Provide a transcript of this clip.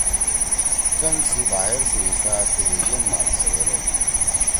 کن سی باہر سی حصّہ تِریِگین ما سیویل ہودُو۔